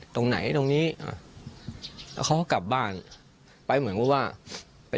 ตรงไหนตรงนี้